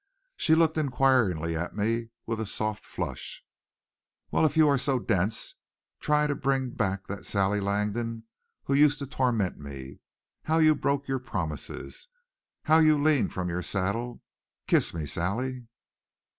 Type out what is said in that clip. She looked inquiringly at me, with a soft flush. "Well, if you are so dense, try to bring back that Sally Langdon who used to torment me. How you broke your promises! How you leaned from your saddle! Kiss me, Sally!"